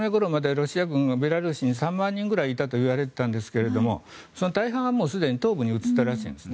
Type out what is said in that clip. ロシア軍はベラルーシに３万人ぐらいいたといわれていたんですがその大半がすでに東部に移ったらしいんです。